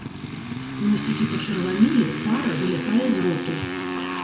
Носікі пачырванелі, пара вылятае з роту.